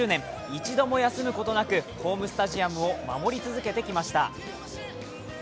一度も休むことなくホームスタジアムを守り続けてきました。